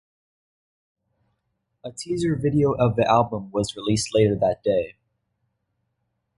A teaser video of the album was released later that day.